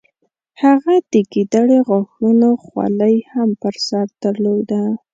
هغه د ګیدړې غاښونو خولۍ هم په سر درلوده.